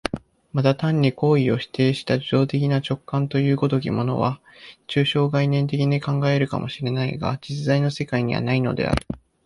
また単に行為を否定した受働的な直覚という如きものは、抽象概念的に考え得るかも知れないが、実在の世界にはないのである。